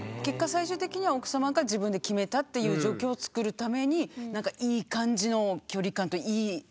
最終的には奥様が自分で決めたっていう状況を作るためになんかいい感じの距離感といい根回ししてっていう。